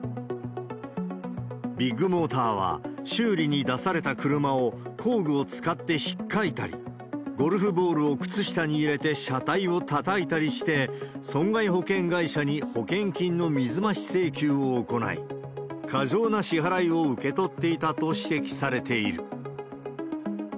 ビッグモーターは、修理に出された車を工具を使ってひっかいたり、ゴルフボールを靴下に入れて車体をたたいたりして、損害保険会社に保険金の水増し請求を行い、過剰な支払いを受け取っていたと指摘されている。